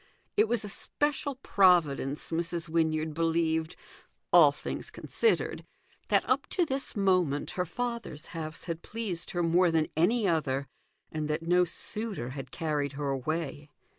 It was a special providence, Mrs. Wynyard believed, all things considered, that up to this moment her father's house had pleased her more than any other, and that no suitor had carried her away.